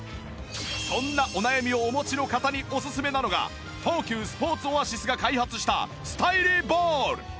そんなお悩みをお持ちの方におすすめなのが東急スポーツオアシスが開発したスタイリーボール